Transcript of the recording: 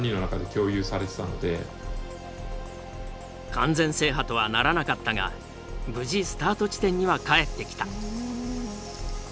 完全制覇とはならなかったが無事スタート地点には帰ってきた。